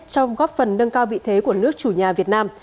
trong góp phần nâng cao vị thế của nước chủ nhà việt nam